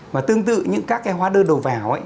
và tương tự như các cái hóa đơn đầu vào ấy